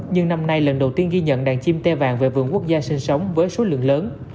nhưng năm nay lần đầu tiên ghi nhận đàn chim tê vàng về vườn quốc gia sinh sống với số lượng lớn